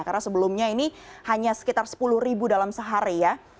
karena sebelumnya ini hanya sekitar sepuluh ribu dalam sehari ya